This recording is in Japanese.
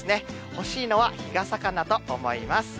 欲しいのは日傘かなと思います。